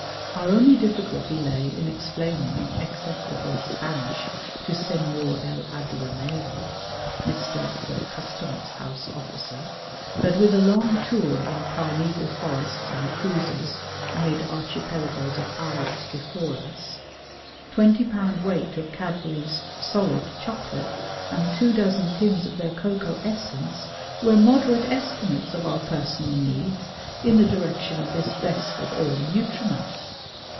Our only difficulty lay in explaining in execrable Spanish to Señor el Aduanero (Mr. the Custom House Officer) that with a long tour in primeval forests and cruises amid archipelagos of islets before us, 20 lb. weight of Cadbury's solid chocolate and two dozen tins of their cocoa essence were moderate estimates of our personal needs in the direction of this best of all nutriment.